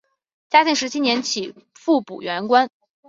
嘉庆十七年起复补原官。